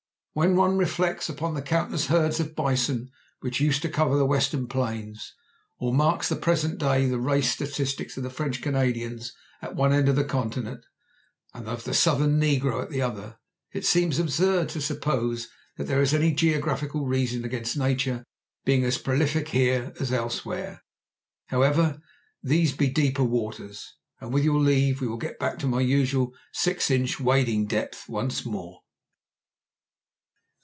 When one reflects upon the countless herds of bison which used to cover the Western plains, or marks in the present day the race statistics of the French Canadians at one end of the continent, and of the Southern negro at the other, it seems absurd to suppose that there is any geographical reason against Nature being as prolific here as elsewhere. However, these be deeper waters, and with your leave we will get back into my usual six inch wading depth once more.